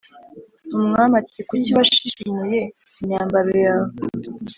umwami ati kuki washishimuye imyambaro yawe